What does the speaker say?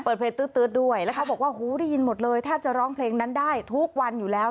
เปิดเพลงตื๊ดด้วยแล้วเขาบอกว่าหูได้ยินหมดเลยแทบจะร้องเพลงนั้นได้ทุกวันอยู่แล้ว